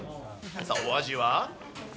さあ、お味は。